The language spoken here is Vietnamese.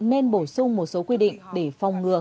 nên bổ sung một số quy định để phòng ngừa